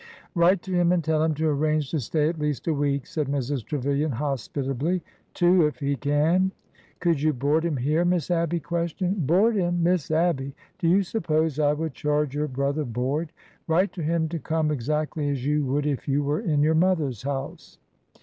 Write to him and tell him to arrange to stay at least a week,'' said Mrs. Trevilian, hospitably, — "two, if he can." " Could you board him here? " Miss Abby questioned. "Board him! Miss Abby! Do you suppose I would charge your brother board? Write to him to come ex actly as you would if you were in your mother's house."